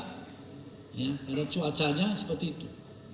karena cuacanya seperti itu